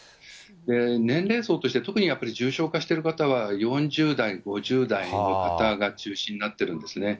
年齢層として特にやっぱり重症化している方は、４０代、５０代の方が中心になってるんですね。